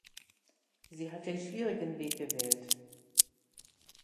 Sie hat den schwierigen Weg gewählt.